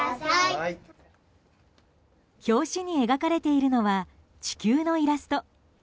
表紙に描かれているのは地球のイラスト。